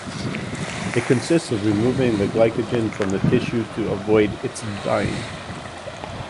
It consists of removing the glycogen from the tissue to avoid its dyeing.